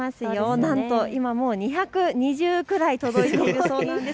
なんと今、２２０くらい届いているそうなんです。